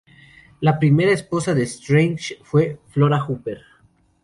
La primera esposa de Strange fue Flora Hooper.